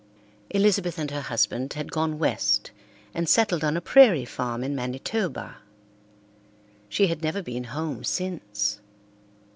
Elizabeth and her husband had gone west and settled on a prairie farm in Manitoba. She had never been home since.